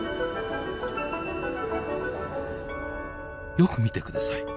よく見て下さい！